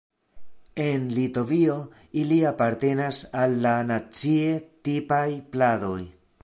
En Litovio ili apartenas al la nacie tipaj pladoj.